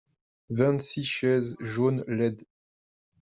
Vingt-six chaises jaunes laides.